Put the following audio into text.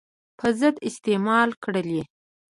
په ضد استعمال کړلې.